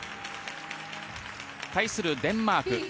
対するデンマーク。